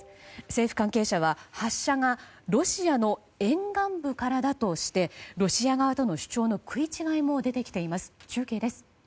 政府関係者は、発射がロシアの沿岸部からだとしてロシア側との主張の食い違いも出てきています。